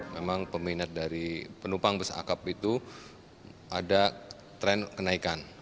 memang peminat dari penumpang bus akap itu ada tren kenaikan